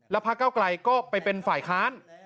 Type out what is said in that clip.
แล้วภาคเก้ากลายก็ไปเป็นฝ่ายค้าน